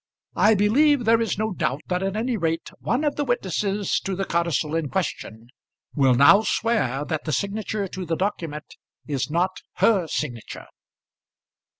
I believe there is no doubt that at any rate one of the witnesses to the codicil in question will now swear that the signature to the document is not her signature."